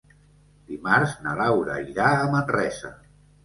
Dimarts na Laura irà a Manresa.